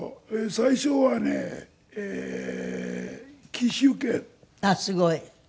最初はね紀州犬。あっすごい。